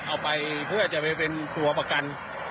เอาไปเพื่อจะไปเป็นตัวประกัน